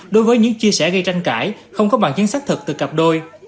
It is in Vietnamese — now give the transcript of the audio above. đối với những chia sẻ gây tranh cãi không có bằng chứng xác thực từ cặp đôi